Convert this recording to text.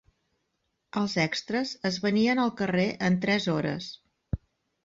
Els extres es venien al carrer en tres hores.